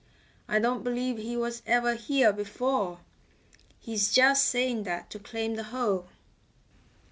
I don't believe he was ever here before. He's just saying that to claim the hole."